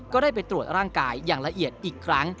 ก็ได้ไปตรวจร่างกายอย่างละเอียดอีกครั้ง